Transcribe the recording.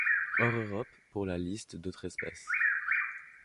Hors Europe pour la liste d'autres espèces.